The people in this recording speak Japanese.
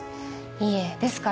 いえですから。